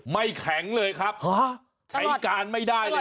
ไม่แข็งเลยครับใช้การไม่ได้เลย